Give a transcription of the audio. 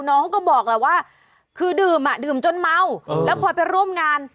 น้องก็บอกแล้วว่าคือดื่มอ่ะดื่มจนเมาแล้วพอไปร่วมงาน